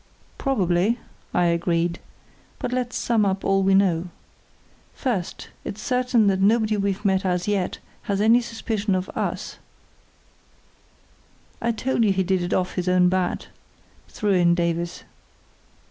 "Probably," I agreed, "but let's sum up all we know. First, it's certain that nobody we've met as yet has any suspicion of us——" "I told you he did it off his own bat," threw in Davies.